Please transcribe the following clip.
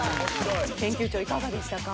研究長いかがでしたか？